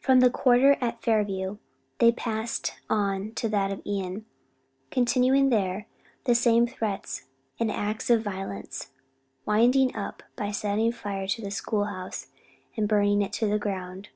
From the quarter at Fairview, they passed on to that of Ion, continuing there the same threats and acts of violence; winding up by setting fire to the school house, and burning it to the ground.